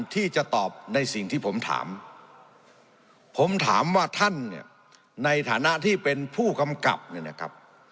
ที่จะตอบในสิ่งที่ผมถามผมถามว่าท่านเนี่ยในฐานะที่เป็นผู้กำกับเนี่ยนะครับ